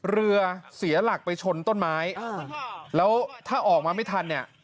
เรือเสียหลักไปชนต้นไม้แล้วถ้าออกมาไม่ทันเนี่ย